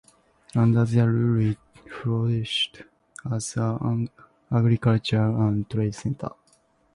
Under their rule it flourished as an agricultural and trade center.